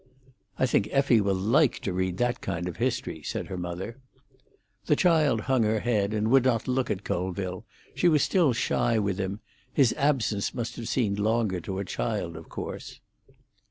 "I think Effie will like to read that kind of history," said her mother. The child hung her head, and would not look at Colville; she was still shy with him; his absence must have seemed longer to a child, of course.